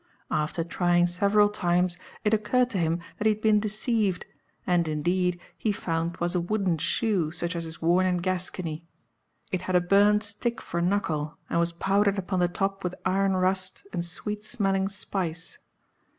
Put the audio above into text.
After trying several times, it occurred to him that he had been deceived; and, indeed, he found 'twas a wooden shoe such as is worn in Gascony. It had a burnt stick for knuckle, and was powdered upon the top with iron rust and sweet smelling spice.